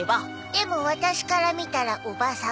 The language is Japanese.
でもワタシから見たらおばさん。